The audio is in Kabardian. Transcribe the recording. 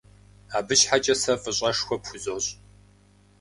Абы щхьэкӏэ сэ фӏыщӏэшхуэ пхузощ.